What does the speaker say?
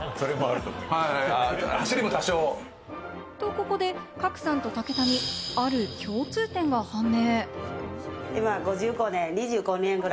ここで、カクさんと武田に、ある共通点が判明。